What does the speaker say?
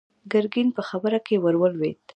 ګرګين په خبره کې ور ولوېد.